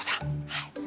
はい。